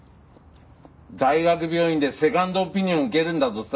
大学病院でセカンドオピニオンを受けるんだとさ。